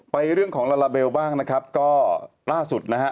เรื่องของลาลาเบลบ้างนะครับก็ล่าสุดนะฮะ